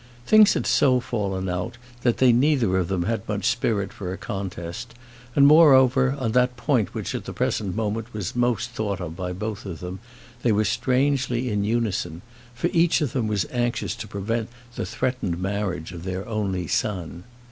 Things had so fallen out, that they neither of them had much spirit for a contest; and, moreover, on that point which at the present moment was most thought of by both of them, they were strangely in unison. For each of them was anxious to prevent the threatened marriage of their only son.